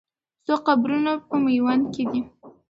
څو قبرونه په میوند کې دي؟